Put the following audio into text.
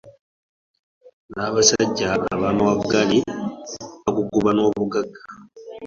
N'abasajja ab'amawaggali baguguba n'obugagga.